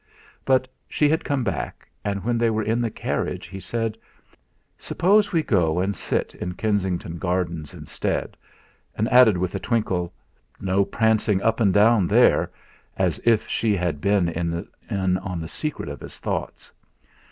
But she had come back and when they were in the carriage, he said: "Suppose we go and sit in Kensington Gardens instead?" and added with a twinkle: "No prancing up and down there," as if she had been in the secret of his thoughts.